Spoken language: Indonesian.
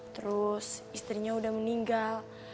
terus istrinya udah meninggal